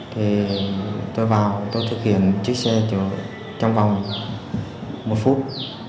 thì tôi vào tôi thực hiện chiếc xe chỗ trong vòng một phút